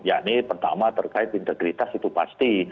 yakni pertama terkait integritas itu pasti